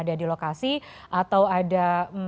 ada di lokasi atau ada